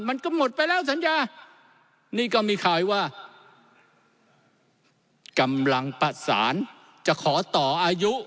มันก็หมดไปแล้วสัญญานี่ก็มีข่าวว่ากำลังประสานจะขอต่ออายุ